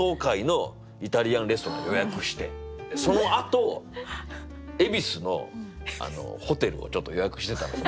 そのあと恵比寿のホテルをちょっと予約してたのよ。